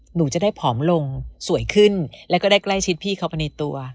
หนูจะได้ผอมลงสวยขึ้นแล้วก็ได้ใกล้ชิดพี่เขาไปในตัว